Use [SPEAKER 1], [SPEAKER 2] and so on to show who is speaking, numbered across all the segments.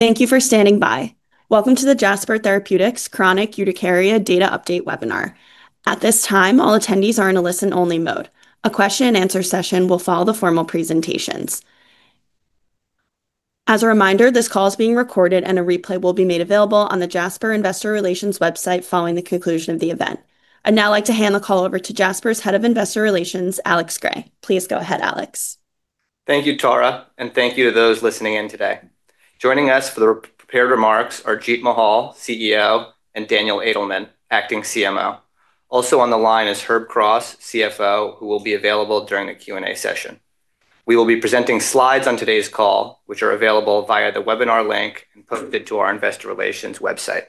[SPEAKER 1] Thank you for standing by. Welcome to the Jasper Therapeutics Chronic Urticaria Data Update webinar. At this time, all attendees are in a listen-only mode. A question-and-answer session will follow the formal presentations. As a reminder, this call is being recorded, and a replay will be made available on the Jasper Investor Relations website following the conclusion of the event. I'd now like to hand the call over to Jasper's Head of Investor Relations, Alex Gray. Please go ahead, Alex.
[SPEAKER 2] Thank you, Tara, and thank you to those listening in today. Joining us for the prepared remarks are Jeet Mahal, CEO, and Daniel Edelman, Acting CMO. Also on the line is Herb Cross, CFO, who will be available during the Q&A session. We will be presenting slides on today's call, which are available via the webinar link and posted to our Investor Relations website.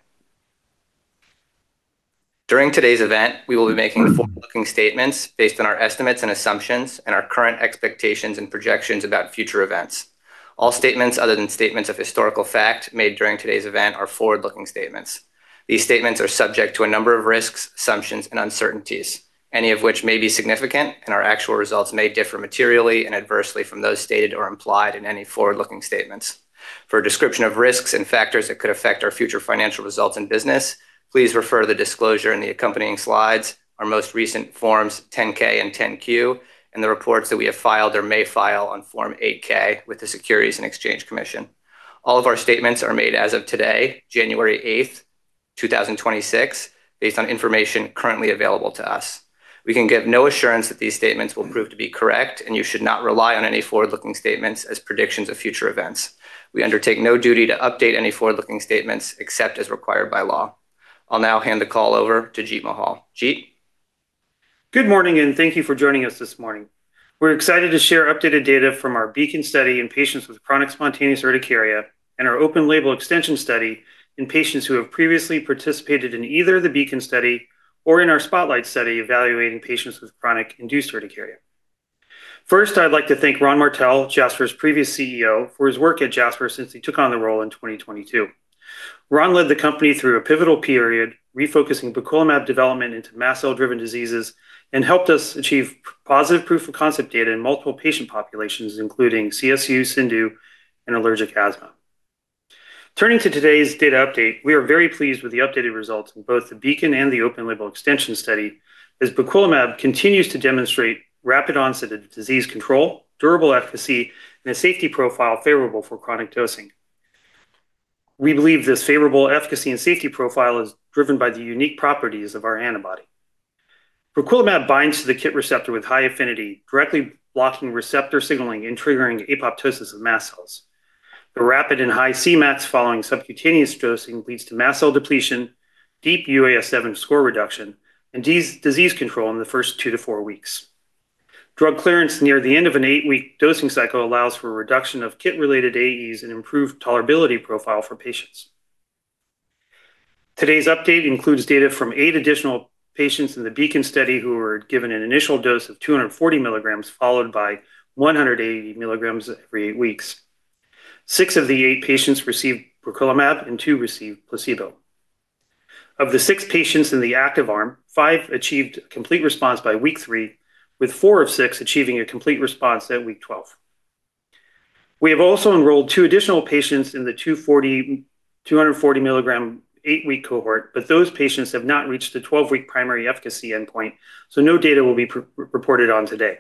[SPEAKER 2] During today's event, we will be making forward-looking statements based on our estimates and assumptions and our current expectations and projections about future events. All statements other than statements of historical fact made during today's event are forward-looking statements. These statements are subject to a number of risks, assumptions, and uncertainties, any of which may be significant, and our actual results may differ materially and adversely from those stated or implied in any forward-looking statements. For a description of risks and factors that could affect our future financial results and business, please refer to the disclosure in the accompanying slides, our most recent forms 10-K and 10-Q, and the reports that we have filed or may file on Form 8-K with the Securities and Exchange Commission. All of our statements are made as of today, January 8, 2026, based on information currently available to us. We can give no assurance that these statements will prove to be correct, and you should not rely on any forward-looking statements as predictions of future events. We undertake no duty to update any forward-looking statements except as required by law. I'll now hand the call over to Jeet Mahal. Jeet.
[SPEAKER 3] Good morning, and thank you for joining us this morning. We're excited to share updated data from our BEACON study in patients with chronic spontaneous urticaria and our open-label extension study in patients who have previously participated in either the BEACON study or in our SPOTLIGHT study evaluating patients with chronic inducible urticaria. First, I'd like to thank Ron Martell, Jasper's previous CEO, for his work at Jasper since he took on the role in 2022. Ron led the company through a pivotal period, refocusing briquilimab development into mast cell-driven diseases and helped us achieve positive proof of concept data in multiple patient populations, including CSU, CIndU, and allergic asthma. Turning to today's data update, we are very pleased with the updated results in both the BEACON and the open-label extension study as briquilimab continues to demonstrate rapid onset of disease control, durable efficacy, and a safety profile favorable for chronic dosing. We believe this favorable efficacy and safety profile is driven by the unique properties of our antibody. Briquilimab binds to the KIT receptor with high affinity, directly blocking receptor signaling and triggering apoptosis of mast cells. The rapid and high Cmax following subcutaneous dosing leads to mast cell depletion, deep UAS7 score reduction, and disease control in the first two to four weeks. Drug clearance near the end of an eight-week dosing cycle allows for a reduction of KIT-related AEs and improved tolerability profile for patients. Today's update includes data from eight additional patients in the BEACON study who were given an initial dose of 240 milligrams followed by 180 milligrams every eight weeks. Six of the eight patients received briquilimab, and two received placebo. Of the six patients in the active arm, five achieved complete response by week three, with four of six achieving a complete response at week 12. We have also enrolled two additional patients in the 240 milligram eight-week cohort, but those patients have not reached the 12-week primary efficacy endpoint, so no data will be reported on today.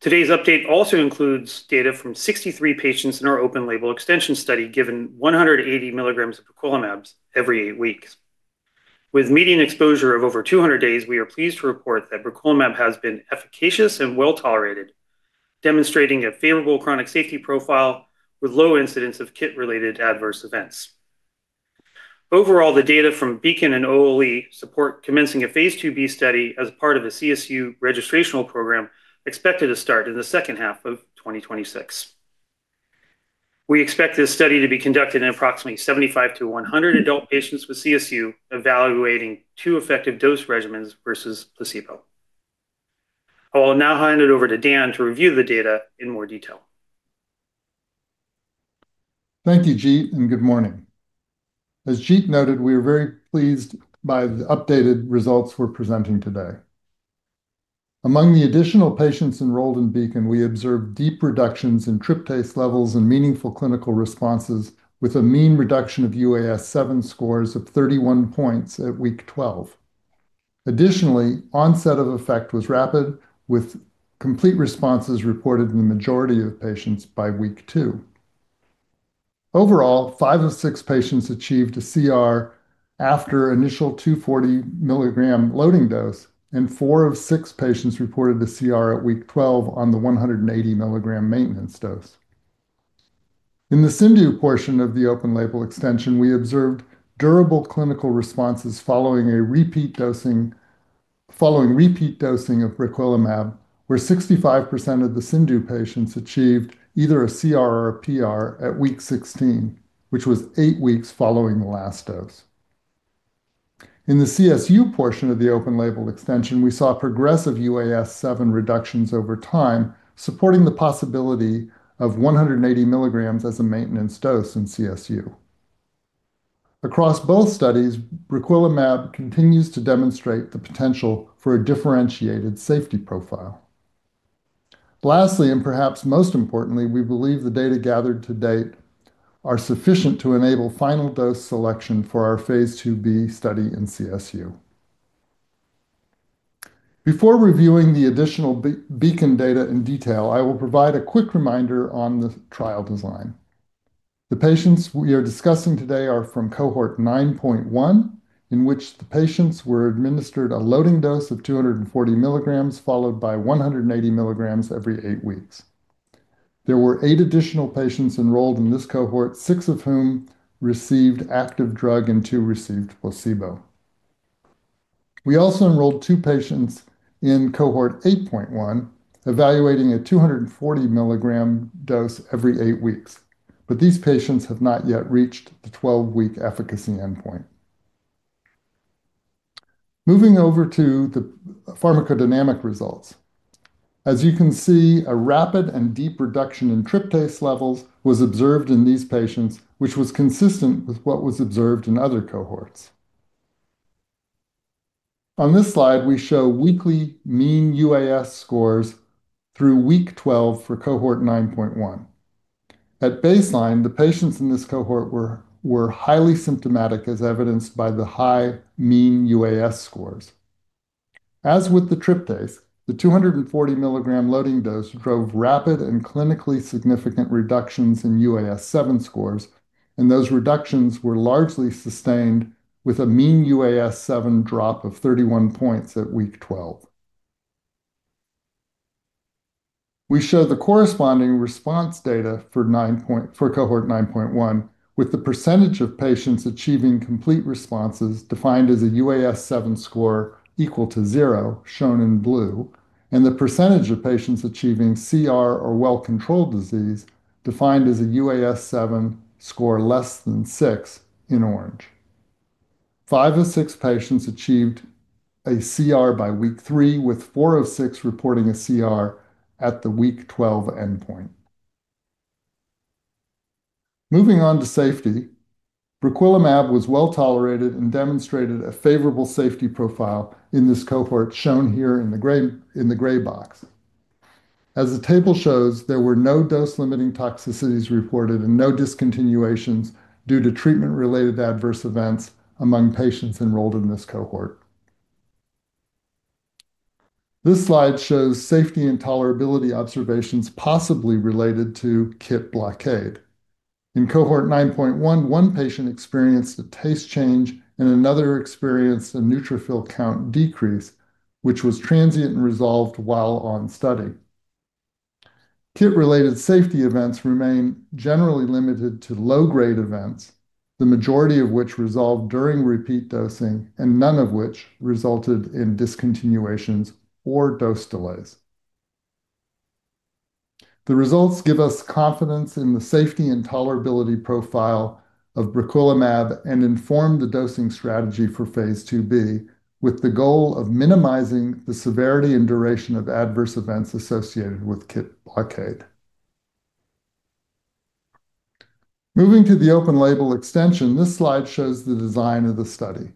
[SPEAKER 3] Today's update also includes data from 63 patients in our open-label extension study given 180 milligrams of briquilimab every eight weeks. With median exposure of over 200 days, we are pleased to report that briquilimab has been efficacious and well tolerated, demonstrating a favorable chronic safety profile with low incidence of KIT-related adverse events. Overall, the data from BEACON and OLE support commencing a phase 2b study as part of the CSU registrational program expected to start in the second half of 2026. We expect this study to be conducted in approximately 75 to 100 adult patients with CSU evaluating two effective dose regimens versus placebo. I'll now hand it over to Dan to review the data in more detail.
[SPEAKER 4] Thank you, Jeet, and good morning. As Jeet noted, we are very pleased by the updated results we're presenting today. Among the additional patients enrolled in BEACON, we observed deep reductions in tryptase levels and meaningful clinical responses, with a mean reduction of UAS7 scores of 31 points at week 12. Additionally, onset of effect was rapid, with complete responses reported in the majority of patients by week two. Overall, five of six patients achieved a CR after initial 240 milligram loading dose, and four of six patients reported a CR at week 12 on the 180 milligram maintenance dose. In the CIndU portion of the open-label extension, we observed durable clinical responses following repeat dosing of briquilimab, where 65% of the CIndU patients achieved either a CR or a PR at week 16, which was eight weeks following the last dose. In the CSU portion of the open-label extension, we saw progressive UAS7 reductions over time, supporting the possibility of 180 milligrams as a maintenance dose in CSU. Across both studies, briquilimab continues to demonstrate the potential for a differentiated safety profile. Lastly, and perhaps most importantly, we believe the data gathered to date are sufficient to enable final dose selection for our phase 2b study in CSU. Before reviewing the additional BEACON data in detail, I will provide a quick reminder on the trial design. The patients we are discussing today are from Cohort 9.1, in which the patients were administered a loading dose of 240 milligrams followed by 180 milligrams every eight weeks. There were eight additional patients enrolled in this cohort, six of whom received active drug and two received placebo. We also enrolled two patients in cohort 8.1, evaluating a 240 milligram dose every eight weeks, but these patients have not yet reached the 12-week efficacy endpoint. Moving over to the pharmacodynamic results. As you can see, a rapid and deep reduction in tryptase levels was observed in these patients, which was consistent with what was observed in other cohorts. On this slide, we show weekly mean UAS scores through week 12 for cohort 9.1. At baseline, the patients in this cohort were highly symptomatic, as evidenced by the high mean UAS scores. As with the tryptase, the 240 milligram loading dose drove rapid and clinically significant reductions in UAS7 scores, and those reductions were largely sustained with a mean UAS7 drop of 31 points at week 12. We show the corresponding response data for cohort 9.1, with the percentage of patients achieving complete responses defined as a UAS7 score equal to zero, shown in blue, and the percentage of patients achieving CR or well-controlled disease defined as a UAS7 score less than six in orange. Five of six patients achieved a CR by week three, with four of six reporting a CR at the week 12 endpoint. Moving on to safety, briquilimab was well tolerated and demonstrated a favorable safety profile in this cohort, shown here in the gray box. As the table shows, there were no dose-limiting toxicities reported and no discontinuations due to treatment-related adverse events among patients enrolled in this cohort. This slide shows safety and tolerability observations possibly related to KIT blockade. In cohort 9.1, one patient experienced a taste change, and another experienced a neutrophil count decrease, which was transient and resolved while on study. KIT-related safety events remain generally limited to low-grade events, the majority of which resolved during repeat dosing, and none of which resulted in discontinuations or dose delays. The results give us confidence in the safety and tolerability profile of briquilimab and inform the dosing strategy for phase 2b, with the goal of minimizing the severity and duration of adverse events associated with KIT blockade. Moving to the open-label extension, this slide shows the design of the study.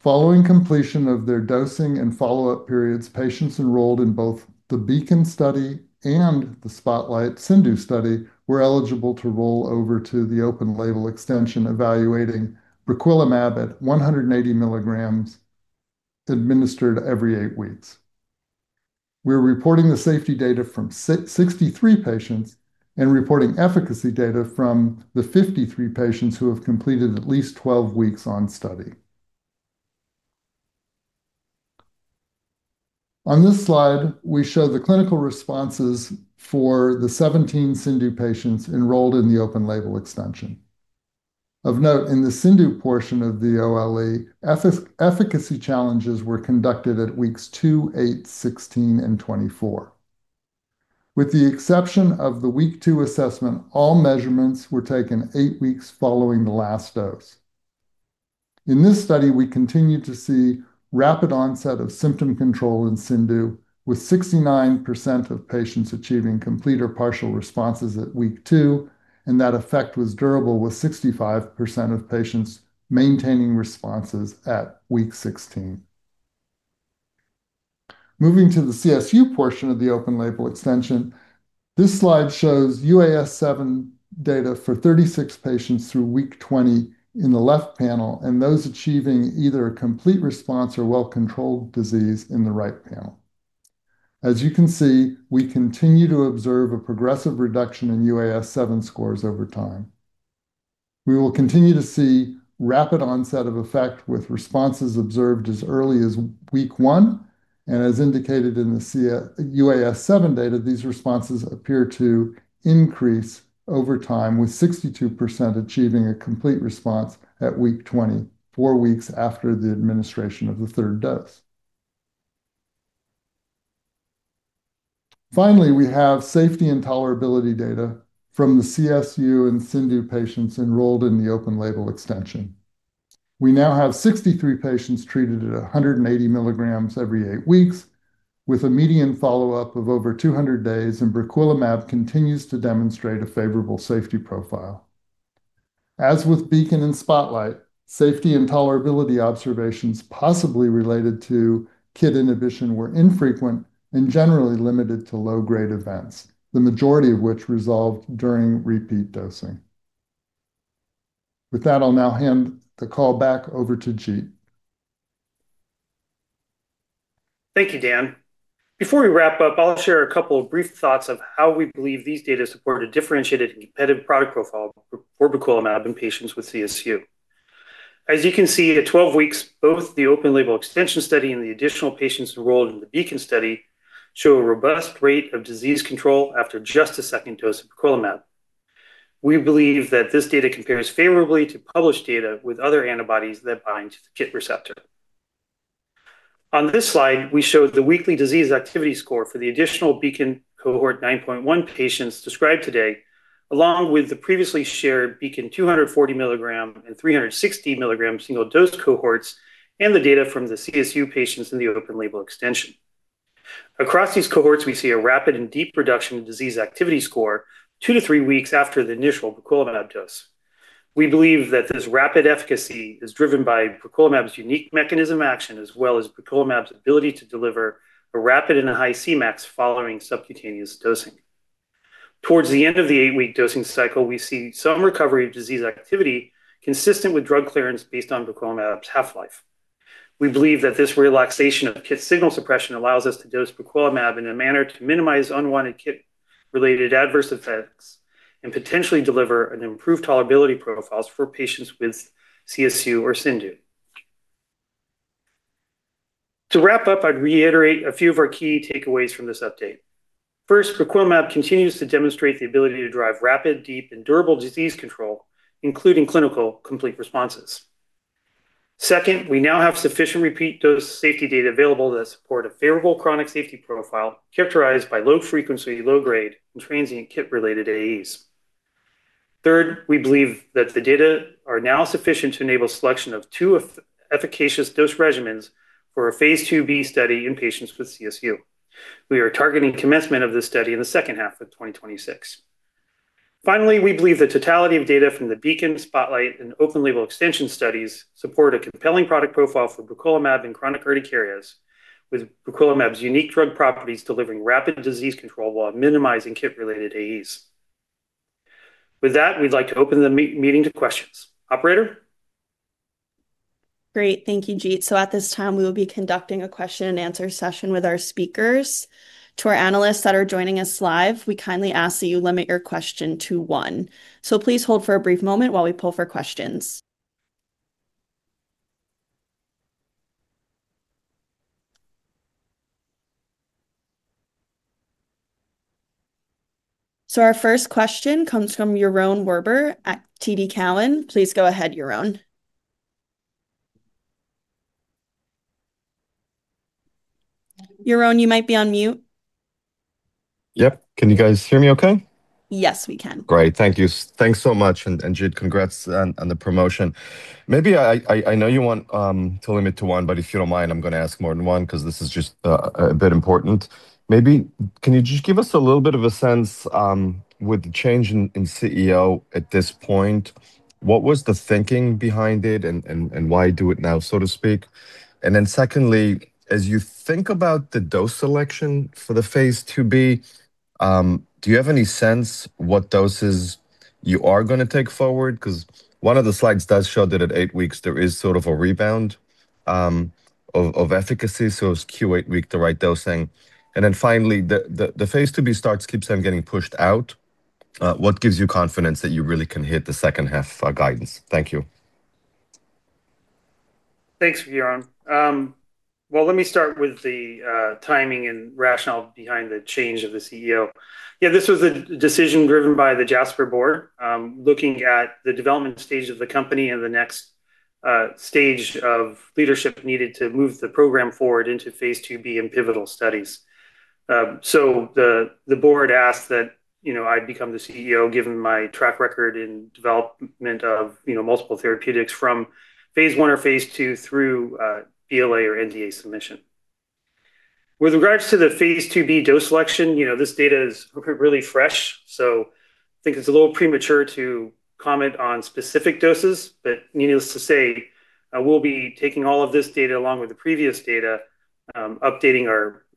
[SPEAKER 4] Following completion of their dosing and follow-up periods, patients enrolled in both the BEACON study and the SPOTLIGHT CIndU study were eligible to roll over to the open-label extension, evaluating briquilimab at 180 milligrams administered every eight weeks. We're reporting the safety data from 63 patients and reporting efficacy data from the 53 patients who have completed at least 12 weeks on study. On this slide, we show the clinical responses for the 17 CIndU patients enrolled in the open-label extension. Of note, in the CIndU portion of the OLE, efficacy challenges were conducted at weeks two, 8, 16, and 24. With the exception of the week two assessment, all measurements were taken eight weeks following the last dose. In this study, we continue to see rapid onset of symptom control in CIndU, with 69% of patients achieving complete or partial responses at week two, and that effect was durable, with 65% of patients maintaining responses at week 16. Moving to the CSU portion of the open-label extension, this slide shows UAS7 data for 36 patients through week 20 in the left panel and those achieving either a complete response or well-controlled disease in the right panel. As you can see, we continue to observe a progressive reduction in UAS7 scores over time. We will continue to see rapid onset of effect with responses observed as early as week one, and as indicated in the UAS7 data, these responses appear to increase over time, with 62% achieving a complete response at week 20, four weeks after the administration of the third dose. Finally, we have safety and tolerability data from the CSU and CIndU patients enrolled in the open-label extension. We now have 63 patients treated at 180 milligrams every eight weeks, with a median follow-up of over 200 days, and briquilimab continues to demonstrate a favorable safety profile. As with Beacon and Spotlight, safety and tolerability observations possibly related to KIT inhibition were infrequent and generally limited to low-grade events, the majority of which resolved during repeat dosing. With that, I'll now hand the call back over to Jeet.
[SPEAKER 3] Thank you, Dan. Before we wrap up, I'll share a couple of brief thoughts on how we believe these data support a differentiated and competitive product profile for briquilimab in patients with CSU. As you can see, at 12 weeks, both the open-label extension study and the additional patients enrolled in the BEACON study show a robust rate of disease control after just a second dose of briquilimab. We believe that this data compares favorably to published data with other antibodies that bind to the KIT receptor. On this slide, we showed the weekly disease activity score for the additional BEACON cohort of nine patients described today, along with the previously shared BEACON 240 milligram and 360 milligram single-dose cohorts and the data from the CSU patients in the open-label extension. Across these cohorts, we see a rapid and deep reduction in disease activity score two to three weeks after the initial briquilimab dose. We believe that this rapid efficacy is driven by briquilimab's unique mechanism of action, as well as briquilimab's ability to deliver a rapid and a high Cmax following subcutaneous dosing. Towards the end of the eight-week dosing cycle, we see some recovery of disease activity consistent with drug clearance based on briquilimab's half-life. We believe that this relaxation of KIT signal suppression allows us to dose briquilimab in a manner to minimize unwanted KIT-related adverse effects and potentially deliver improved tolerability profiles for patients with CSU or CIndU. To wrap up, I'd reiterate a few of our key takeaways from this update. First, briquilimab continues to demonstrate the ability to drive rapid, deep, and durable disease control, including clinical complete responses. Second, we now have sufficient repeat dose safety data available to support a favorable chronic safety profile characterized by low frequency, low-grade, and transient KIT-related AEs. Third, we believe that the data are now sufficient to enable selection of two efficacious dose regimens for a phase 2b study in patients with CSU. We are targeting commencement of this study in the second half of 2026. Finally, we believe the totality of data from the BEACON, SPOTLIGHT, and open-label extension studies support a compelling product profile for briquilimab in chronic urticarias, with briquilimab's unique drug properties delivering rapid disease control while minimizing KIT-related AEs. With that, we'd like to open the meeting to questions. Operator?
[SPEAKER 1] Great. Thank you, Jeet. So at this time, we will be conducting a question-and-answer session with our speakers. To our analysts that are joining us live, we kindly ask that you limit your question to one. So please hold for a brief moment while we poll for questions. So our first question comes from Yaron Werber at TD Cowen. Please go ahead, Yaron. Yaron, you might be on mute.
[SPEAKER 5] Yep. Can you guys hear me okay?
[SPEAKER 1] Yes, we can.
[SPEAKER 5] Great. Thank you. Thanks so much, and Jeet, congrats on the promotion. Maybe I know you want to limit to one, but if you don't mind, I'm going to ask more than one because this is just a bit important. Maybe can you just give us a little bit of a sense with the change in CEO at this point? What was the thinking behind it and why do it now, so to speak? And then, secondly, as you think about the dose selection for the phase 2b, do you have any sense what doses you are going to take forward? Because one of the slides does show that at eight weeks, there is sort of a rebound of efficacy. So, was Q8-week the right dosing? And then finally, the phase 2b start keeps on getting pushed out. What gives you confidence that you really can hit the second half guidance? Thank you.
[SPEAKER 3] Thanks, Yaron. Let me start with the timing and rationale behind the change of the CEO. Yeah, this was a decision driven by the Jasper Board, looking at the development stage of the company and the next stage of leadership needed to move the program forward into phase 2b and pivotal studies. So the board asked that I become the CEO, given my track record in development of multiple therapeutics from phase one or phase two through BLA or NDA submission. With regards to the phase 2b dose selection, this data is really fresh. I think it's a little premature to comment on specific doses, but needless to say, we'll be taking all of this data along with the previous data, updating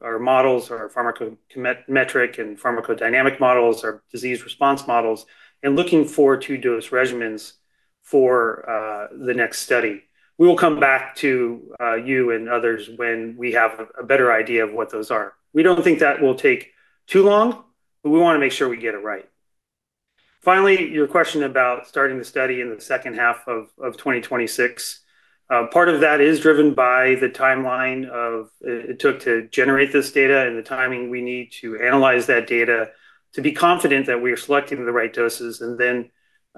[SPEAKER 3] our models, our pharmacometric and pharmacodynamic models, our disease response models, and looking forward to dose regimens for the next study. We will come back to you and others when we have a better idea of what those are. We don't think that will take too long, but we want to make sure we get it right. Finally, your question about starting the study in the second half of 2026, part of that is driven by the timeline it took to generate this data and the timing we need to analyze that data to be confident that we are selecting the right doses and then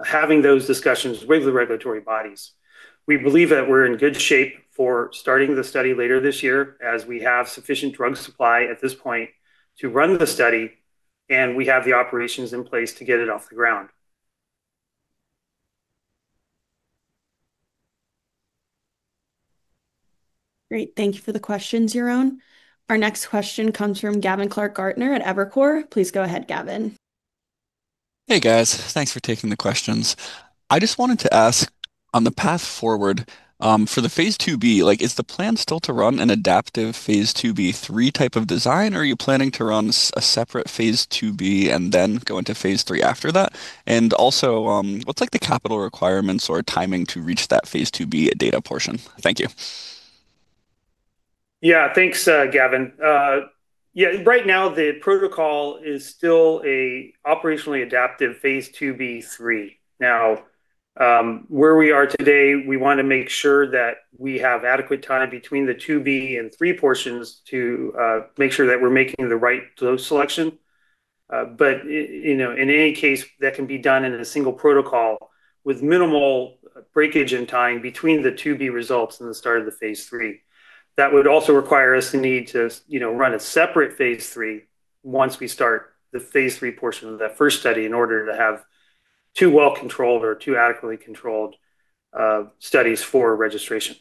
[SPEAKER 3] having those discussions with the regulatory bodies. We believe that we're in good shape for starting the study later this year as we have sufficient drug supply at this point to run the study, and we have the operations in place to get it off the ground.
[SPEAKER 1] Great. Thank you for the questions, Yaron. Our next question comes from Gavin Clark-Gartner at Evercore. Please go ahead, Gavin.
[SPEAKER 6] Hey, guys. Thanks for taking the questions. I just wanted to ask, on the path forward for the phase 2b, is the plan still to run an adaptive phase 2b/3 type of design, or are you planning to run a separate phase 2b and then go into phase 3 after that? And also, what's the capital requirements or timing to reach that phase 2b data portion? Thank you.
[SPEAKER 3] Yeah, thanks, Gavin. Yeah, right now, the protocol is still an operationally adaptive phase 2b/3. Now, where we are today, we want to make sure that we have adequate time between the 2b and 3 portions to make sure that we're making the right dose selection. But in any case, that can be done in a single protocol with minimal breakage in time between the 2b results and the start of the phase 3. That would also require us to need to run a separate phase 3 once we start the phase 3 portion of that first study in order to have two well-controlled or two adequately controlled studies for registration.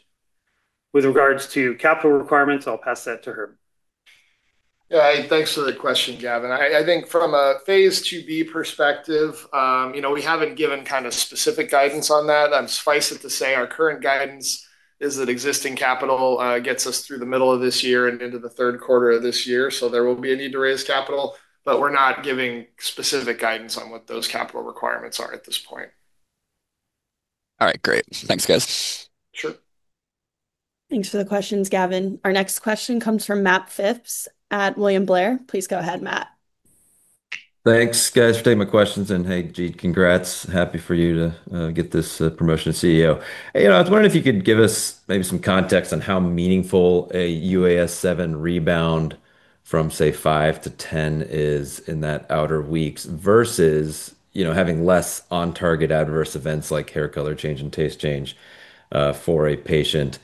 [SPEAKER 3] With regards to capital requirements, I'll pass that to herb.
[SPEAKER 7] Yeah, thanks for the question, Gavin. I think from a phase 2b perspective, we haven't given kind of specific guidance on that. Suffice it to say our current guidance is that existing capital gets us through the middle of this year and into the third quarter of this year. So there will be a need to raise capital, but we're not giving specific guidance on what those capital requirements are at this point.
[SPEAKER 6] All right, great. Thanks, guys.
[SPEAKER 7] Sure.
[SPEAKER 1] Thanks for the questions, Gavin. Our next question comes from Matt Phipps at William Blair. Please go ahead, Matt.
[SPEAKER 8] Thanks, guys, for taking my questions. Hey, Jeet, congrats. Happy for you to get this promotion to CEO. I was wondering if you could give us maybe some context on how meaningful a UAS7 rebound from, say, five to 10 is in that later weeks versus having less on-target adverse events like hair color change and taste change for a patient.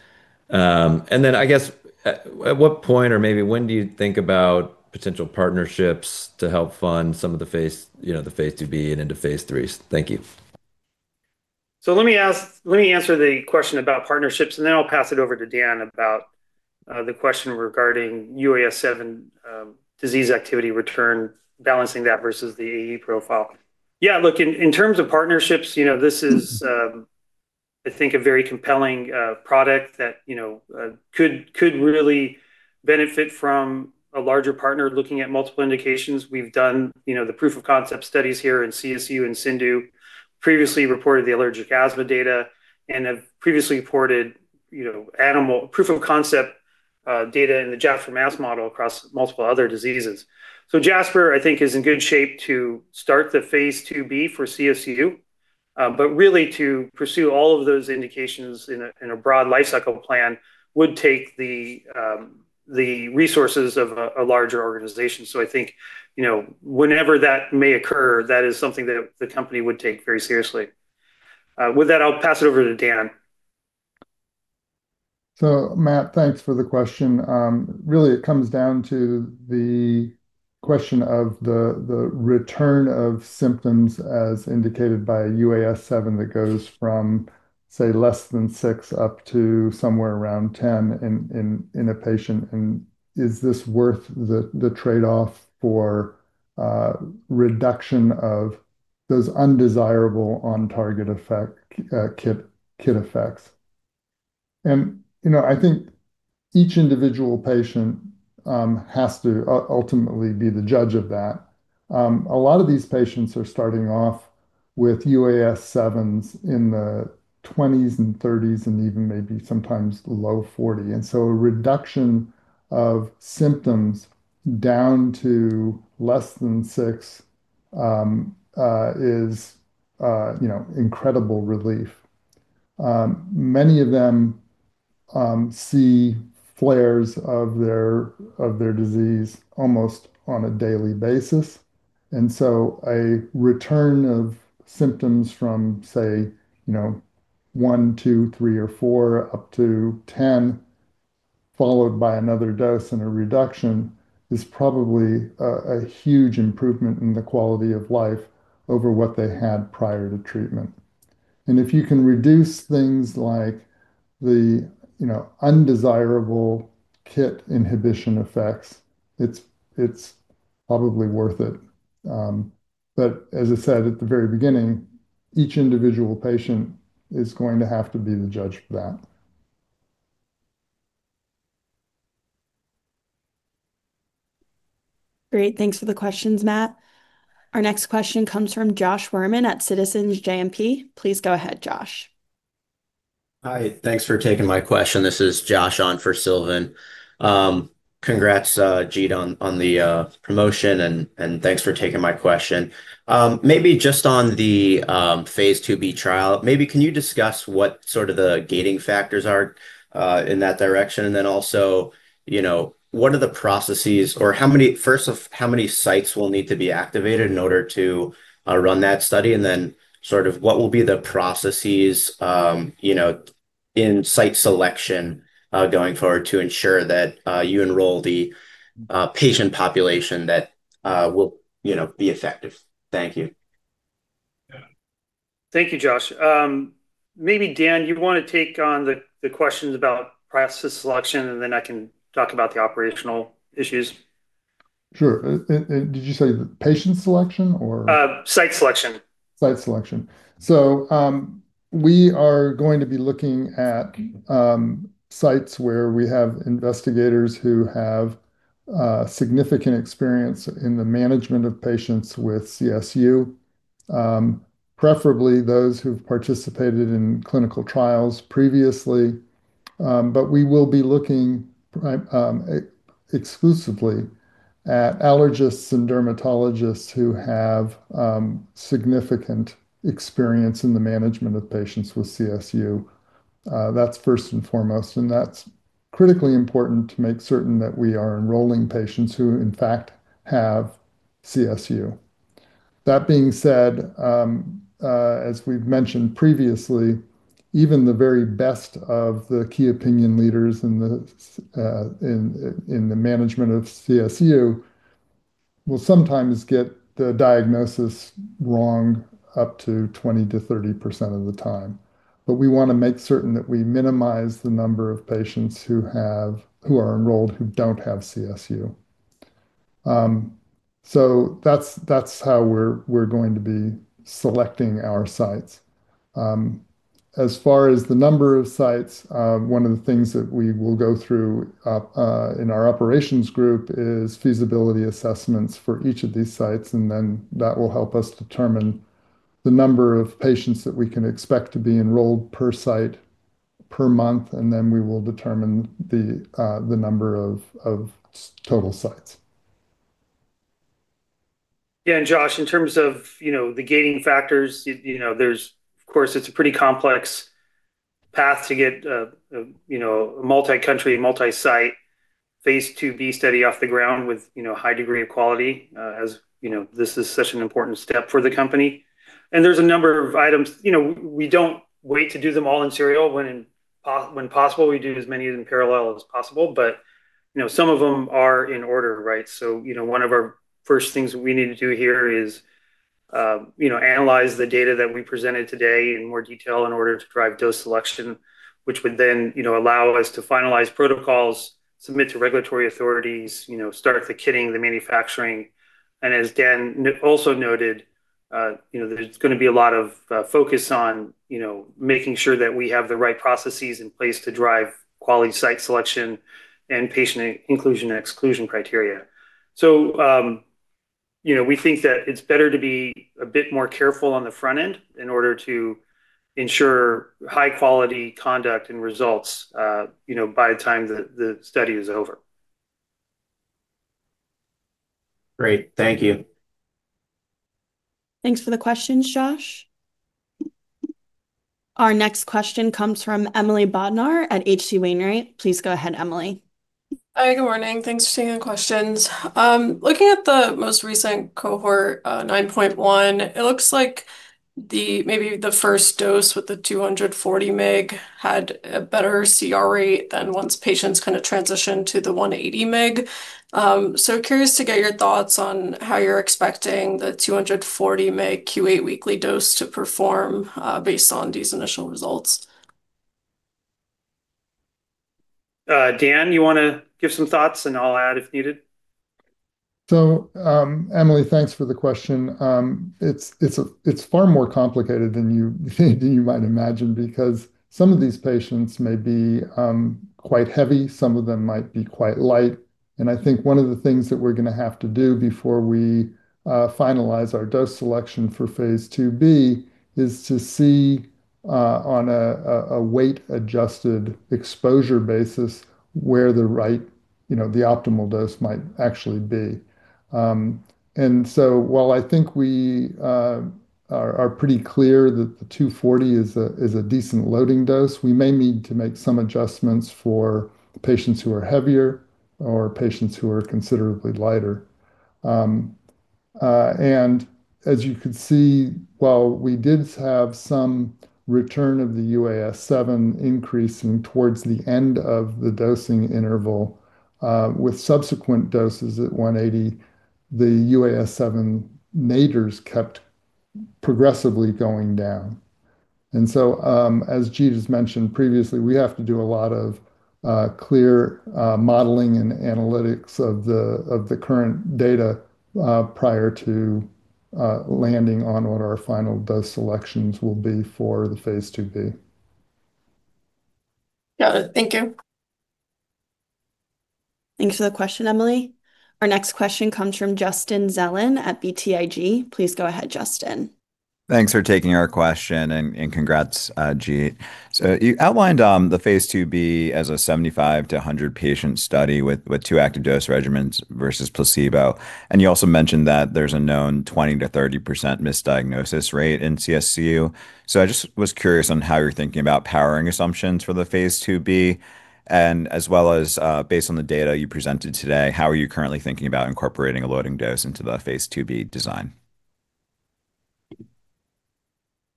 [SPEAKER 8] And then I guess, at what point or maybe when do you think about potential partnerships to help fund some of the phase 2b and into phase 3? Thank you.
[SPEAKER 3] So let me answer the question about partnerships, and then I'll pass it over to Dan about the question regarding UAS7 disease activity return, balancing that versus the AE profile. Yeah, look, in terms of partnerships, this is, I think, a very compelling product that could really benefit from a larger partner looking at multiple indications. We've done the proof of concept studies here in CSU and CIndU, previously reported the allergic asthma data, and have previously reported proof of concept data in the Jasper mast model across multiple other diseases. So Jasper, I think, is in good shape to start the phase 2b for CSU, but really to pursue all of those indications in a broad life cycle plan would take the resources of a larger organization. So I think whenever that may occur, that is something that the company would take very seriously. With that, I'll pass it over to Dan.
[SPEAKER 4] So Matt, thanks for the question. Really, it comes down to the question of the return of symptoms as indicated by UAS7 that goes from, say, less than six up to somewhere around 10 in a patient. And is this worth the trade-off for reduction of those undesirable on-target effects, KIT effects? And I think each individual patient has to ultimately be the judge of that. A lot of these patients are starting off with UAS7s in the 20s and 30s and even maybe sometimes low 40. And so a reduction of symptoms down to less than six is incredible relief. Many of them see flares of their disease almost on a daily basis. And so a return of symptoms from, say, one, two, three, or four up to 10, followed by another dose and a reduction is probably a huge improvement in the quality of life over what they had prior to treatment. And if you can reduce things like the undesirable KIT inhibition effects, it's probably worth it. But as I said at the very beginning, each individual patient is going to have to be the judge for that.
[SPEAKER 1] Great. Thanks for the questions, Matt. Our next question comes from Josh Worman at Citizens JMP. Please go ahead, Josh.
[SPEAKER 9] Hi. Thanks for taking my question. This is Josh on for Silvan. Congrats, Jeet, on the promotion, and thanks for taking my question. Maybe just on the phase 2b trial, maybe can you discuss what sort of the gating factors are in that direction? And then also, what are the processes or first of how many sites will need to be activated in order to run that study? And then sort of what will be the processes in site selection going forward to ensure that you enroll the patient population that will be effective? Thank you.
[SPEAKER 3] Thank you, Josh. Maybe Dan, you want to take on the questions about process selection, and then I can talk about the operational issues.
[SPEAKER 4] Sure. And did you say patient selection or?
[SPEAKER 3] Site selection.
[SPEAKER 4] Site selection. So we are going to be looking at sites where we have investigators who have significant experience in the management of patients with CSU, preferably those who've participated in clinical trials previously. But we will be looking exclusively at allergists and dermatologists who have significant experience in the management of patients with CSU. That's first and foremost. And that's critically important to make certain that we are enrolling patients who, in fact, have CSU. That being said, as we've mentioned previously, even the very best of the key opinion leaders in the management of CSU will sometimes get the diagnosis wrong up to 20%-30% of the time. But we want to make certain that we minimize the number of patients who are enrolled who don't have CSU. So that's how we're going to be selecting our sites. As far as the number of sites, one of the things that we will go through in our operations group is feasibility assessments for each of these sites, and then that will help us determine the number of patients that we can expect to be enrolled per site per month, and then we will determine the number of total sites.
[SPEAKER 3] Yeah. And Josh, in terms of the gating factors, of course, it's a pretty complex path to get a multi-country, multi-site phase 2b study off the ground with a high degree of quality. This is such an important step for the company. And there's a number of items. We don't wait to do them all in serial. When possible, we do as many of them parallel as possible. But some of them are in order, right? So one of our first things we need to do here is analyze the data that we presented today in more detail in order to drive dose selection, which would then allow us to finalize protocols, submit to regulatory authorities, start the kitting, the manufacturing. As Dan also noted, there's going to be a lot of focus on making sure that we have the right processes in place to drive quality site selection and patient inclusion and exclusion criteria. We think that it's better to be a bit more careful on the front end in order to ensure high-quality conduct and results by the time the study is over.
[SPEAKER 9] Great. Thank you.
[SPEAKER 1] Thanks for the questions, Josh. Our next question comes from Emily Bodnar at H.C. Wainwright. Please go ahead, Emily.
[SPEAKER 10] Hi. Good morning. Thanks for taking the questions. Looking at the most recent cohort 9.1, it looks like maybe the first dose with the 240 mg had a better CR rate than once patients kind of transitioned to the 180 mg. So curious to get your thoughts on how you're expecting the 240 mg Q8 weekly dose to perform based on these initial results?
[SPEAKER 3] Dan, you want to give some thoughts, and I'll add if needed?
[SPEAKER 4] Emily, thanks for the question. It's far more complicated than you might imagine because some of these patients may be quite heavy. Some of them might be quite light. And I think one of the things that we're going to have to do before we finalize our dose selection for phase 2b is to see on a weight-adjusted exposure basis where the optimal dose might actually be. And so while I think we are pretty clear that the 240 is a decent loading dose, we may need to make some adjustments for patients who are heavier or patients who are considerably lighter. And as you can see, while we did have some return of the UAS7 increasing towards the end of the dosing interval with subsequent doses at 180, the UAS7 nadirs kept progressively going down. As Jeet has mentioned previously, we have to do a lot of clear modeling and analytics of the current data prior to landing on what our final dose selections will be for the phase 2b.
[SPEAKER 10] Got it. Thank you.
[SPEAKER 1] Thanks for the question, Emily. Our next question comes from Justin Zelin at BTIG. Please go ahead, Justin.
[SPEAKER 11] Thanks for taking our question, and congrats, Jeet. So you outlined the phase 2b as a 75-100 patient study with two active dose regimens versus placebo. And you also mentioned that there's a known 20%-30% misdiagnosis rate in CSU. So I just was curious on how you're thinking about powering assumptions for the phase 2b, and as well as based on the data you presented today, how are you currently thinking about incorporating a loading dose into the phase 2b design?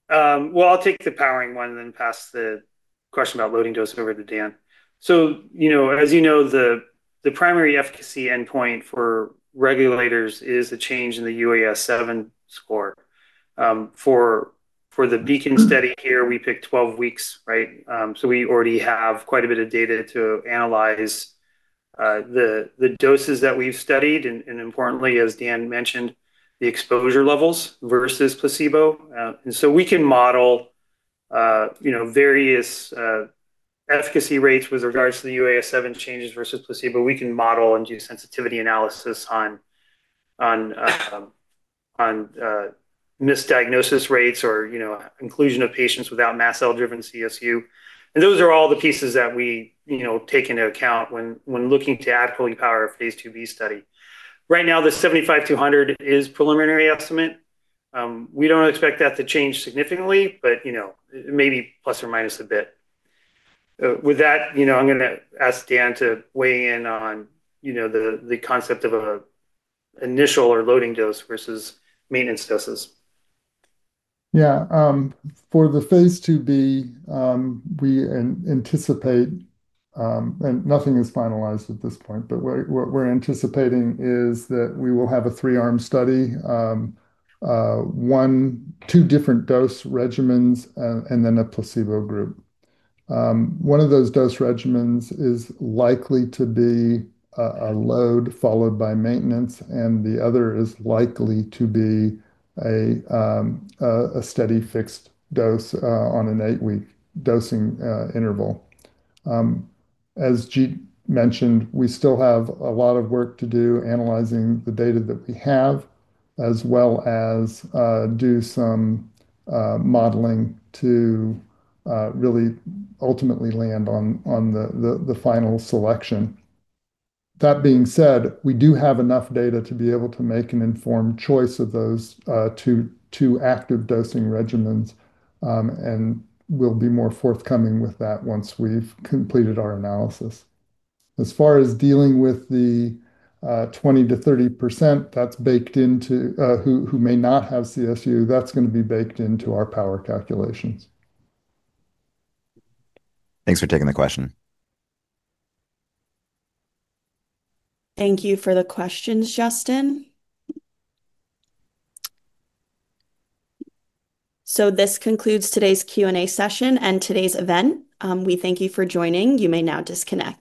[SPEAKER 3] I'll take the powering one and then pass the question about loading dose over to Dan. As you know, the primary efficacy endpoint for regulators is a change in the UAS7 score. For the BEACON study here, we picked 12 weeks, right? We already have quite a bit of data to analyze the doses that we've studied. Importantly, as Dan mentioned, the exposure levels versus placebo. We can model various efficacy rates with regards to the UAS7 changes versus placebo. We can model and do sensitivity analysis on misdiagnosis rates or inclusion of patients without mast cell-driven CSU. Those are all the pieces that we take into account when looking to adequately power a phase 2b study. Right now, the 75-100 is a preliminary estimate. We don't expect that to change significantly, but maybe plus or minus a bit. With that, I'm going to ask Dan to weigh in on the concept of an initial or loading dose versus maintenance doses.
[SPEAKER 4] Yeah. For the phase 2b, we anticipate and nothing is finalized at this point, but what we're anticipating is that we will have a three-arm study, two different dose regimens, and then a placebo group. One of those dose regimens is likely to be a load followed by maintenance, and the other is likely to be a steady fixed dose on an eight-week dosing interval. As Jeet mentioned, we still have a lot of work to do analyzing the data that we have, as well as do some modeling to really ultimately land on the final selection. That being said, we do have enough data to be able to make an informed choice of those two active dosing regimens and will be more forthcoming with that once we've completed our analysis. As far as dealing with the 20%-30% that's baked into who may not have CSU, that's going to be baked into our power calculations.
[SPEAKER 11] Thanks for taking the question.
[SPEAKER 1] Thank you for the questions, Justin. So this concludes today's Q&A session and today's event. We thank you for joining. You may now disconnect.